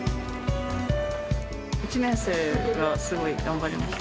１年生がすごい、頑張りました。